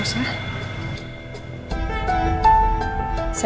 saya harus ketemu ibu sarah